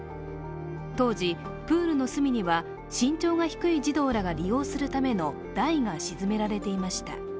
当時、プールの隅には身長が低い児童が利用するための台が沈められていました。